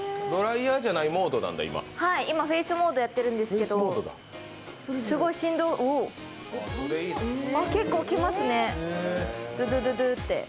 今、ＦＡＣＥモードやってるんですけどすごい振動うぉ、結構きますね、ドゥドゥドゥドゥって。